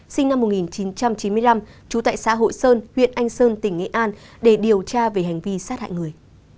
sinh năm một nghìn chín trăm chín mươi năm trú tại xã hội sơn huyện anh sơn tỉnh nghệ an để điều tra về hành vi sát hại người